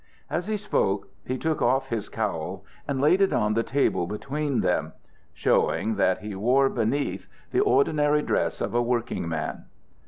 As he spoke he took off his cowl and laid it on the table between them, showing that he wore beneath the ordinary dress of a working man.